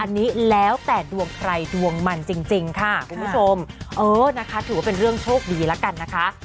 อันนี้แล้วแต่ดวงใครดวงมันจริงค่ะคุณผู้ชมเออนะคะถือว่าเป็นเรื่องโชคดีแล้วกันนะคะ